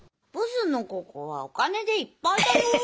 ボスのここはお金でいっぱいだよ。